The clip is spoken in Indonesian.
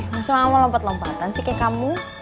masa mama lompat lompatin sih kayak kamu